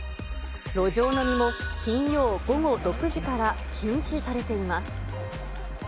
路上飲みを金曜午後６時から禁止されています。